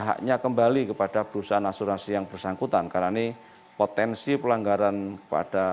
haknya kembali kepada perusahaan asuransi yang bersangkutan karena ini potensi pelanggaran pada